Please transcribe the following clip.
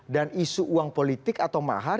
dan isu uang politik atau mahar